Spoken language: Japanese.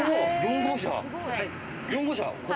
４号車！